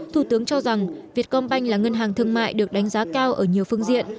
thủ tướng cho rằng việt công banh là ngân hàng thương mại được đánh giá cao ở nhiều phương diện